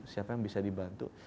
siapa yang bisa dibantu